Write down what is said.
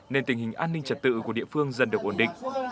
nên tình hình an ninh trật tự của địa phương dần được ổn định